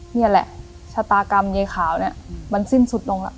นี่แหละชะตากรรมยายขาวเนี่ยมันสิ้นสุดลงแล้ว